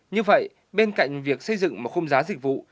như vậy bên cạnh việc xây dựng một khung giá dịch vụ